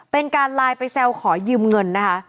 เป็นการไลน์ไปแซวขอยืมเงินนะคะ